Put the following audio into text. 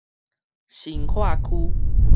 新化區